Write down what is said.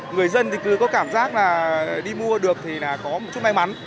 người dân cứ có cảm giác đi mua được thì có một chút may mắn